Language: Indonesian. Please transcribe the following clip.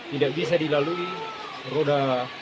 tidak bisa dilalui peroda empat